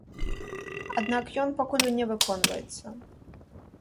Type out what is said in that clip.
Аднак ён пакуль не выконваецца.